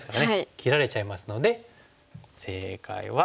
切られちゃいますので正解は。